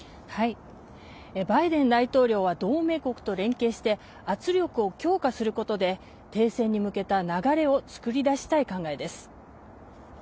バイデン大統領は同盟国と連携して圧力を強化することで停戦に向けた流れを作り出したい考えです。